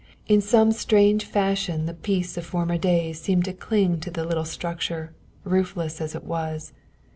In some strange fashion the peace of former days seemed to cling to the little structure, roofless as it was.